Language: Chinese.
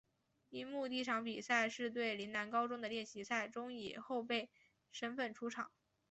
樱木第一场比赛是对陵南高中的练习赛中以后备身份出场。